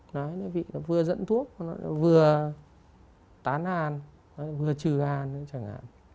đấy nó vừa dẫn thuốc vừa tán an vừa trừ an chẳng hạn